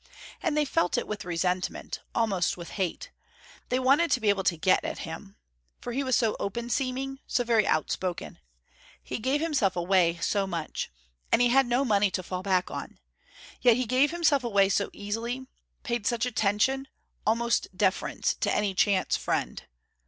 And they felt it with resentment, almost with hate. They wanted to be able to get at him. For he was so open seeming, so very outspoken. He gave himself away so much. And he had no money to fall back on. Yet he gave himself away so easily, paid such attention, almost deference to any chance friend.